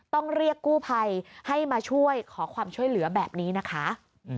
ต้องเรียกกู้ภัยให้มาช่วยขอความช่วยเหลือแบบนี้นะคะ